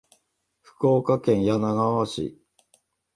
福岡県柳川市